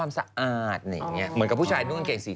ไม่ใช่